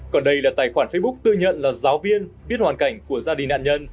còn đây là tài khoản facebook tư nhận là giáo viên biết hoàn cảnh của gia đình nạn nhân